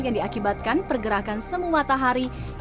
yang diakibatkan pergerakan semu matahari dan bumi